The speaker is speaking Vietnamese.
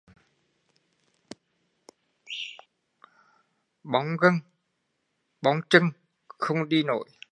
Bong gân, bong chưn không đi nổi